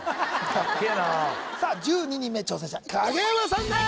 すげえなあさあ１２人目挑戦者影山さんです